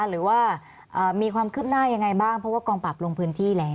หรือว่ามีความคืบหน้ายังไงบ้างเพราะว่ากองปรับลงพื้นที่แล้ว